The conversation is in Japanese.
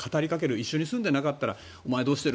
一緒に住んでいなかったらお前どうしてる？